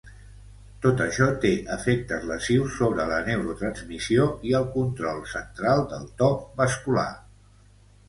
Tot això té efectes lesius sobre la neurotransmissió i el control central del to vascular.